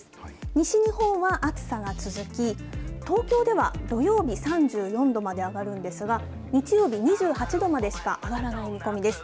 西日本は暑さが続き、東京では土曜日３４度まで上がるんですが、日曜日２８度までしか上がらない見込みです。